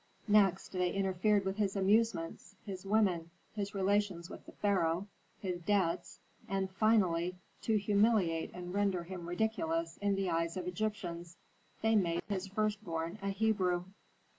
Next they interfered with his amusements, his women, his relations with the pharaoh, his debts, and, finally, to humiliate and render him ridiculous in the eyes of Egyptians, they made his first born a Hebrew.